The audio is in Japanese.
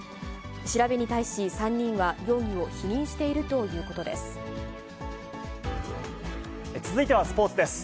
調べに対し３人は、容疑を否認しているということです。